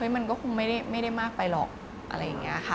มันก็คงไม่ได้มากไปหรอก